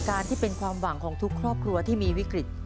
ที่เป็นความหวังของทุกครอบครัวที่มีวิกฤต